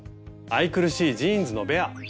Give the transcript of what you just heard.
愛くるしいジーンズのベア！